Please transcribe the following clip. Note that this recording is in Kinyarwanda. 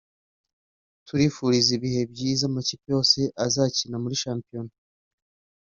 turifuriza ibihe byiza amakipe yose azakina muri shampiyona